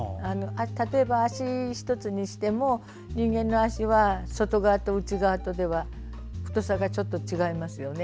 例えば、足ひとつにしても人間の足は外側と内側とでは太さがちょっと違いますよね。